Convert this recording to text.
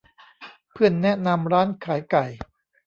เพื่อนแนะนำร้านขายไก่